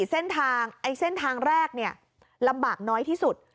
เส้นทางเส้นทางแรกเนี่ยลำบากน้อยที่สุด